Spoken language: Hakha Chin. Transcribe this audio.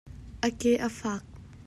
A ke a faak.